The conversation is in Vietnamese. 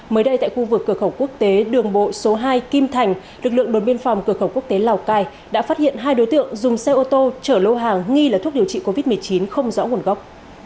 mới đây tại khu vực cửa khẩu quốc tế đường bộ số hai kim thành lực lượng đồn biên phòng cửa khẩu quốc tế lào cai đã phát hiện hai đối tượng dùng xe ô tô chở lâu hàng nghi là thuốc điều trị covid một mươi chín không rõ nguồn gốc